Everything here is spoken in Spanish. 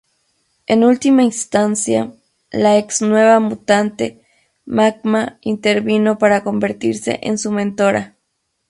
En última instancia, la ex Nueva Mutante, Magma intervino para convertirse en su mentora.